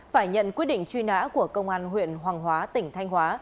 phải nhận quyết định truy nã của công an huyện hoàng hóa tỉnh thanh hóa